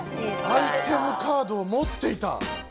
アイテムカードをもっていた。